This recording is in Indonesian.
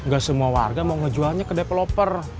gak semua warga mau ngejualnya ke developer